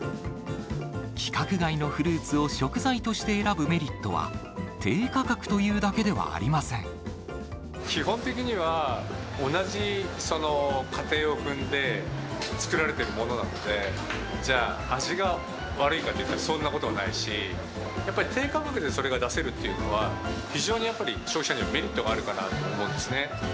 規格外のフルーツを食材として選ぶメリットは、低価格というだけ基本的には、同じ過程を踏んで作られているものなので、じゃあ、味が悪いかっていったら、そんなことはないし、やっぱり低価格でそれが出せるというのは、非常にやっぱり、消費者にはメリットがあるかなと思うんですね。